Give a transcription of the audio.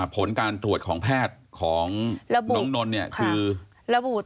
ผลการตรวจของแพทย์ของน้องนนท์เนี่ยคือระบุ